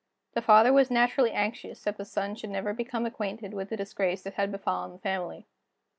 The father was naturally anxious that the son should never become acquainted with the disgrace that had befallen the family.